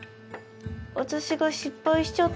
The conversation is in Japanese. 私が失敗しちゃったから。